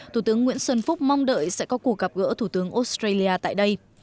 thủ tướng nguyễn xuân phúc mong đợi sẽ có cuộc gặp gỡ thủ tướng australia tại đây